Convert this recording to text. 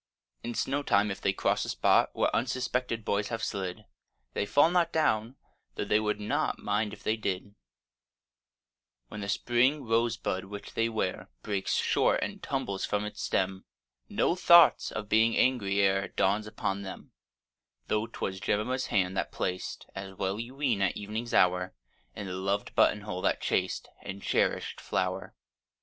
In snowtime if they cross a spot Where unsuspected boys have slid, They fall not down—though they would not Mind if they did: When the spring rosebud which they wear Breaks short and tumbles from its stem, No thought of being angry e'er Dawns upon them; Though 'twas Jemima's hand that placed, (As well you ween) at evening's hour, In the loved button hole that chaste And cherish'd flower.